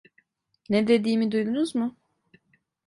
Ne dediğimi duydunuz mu?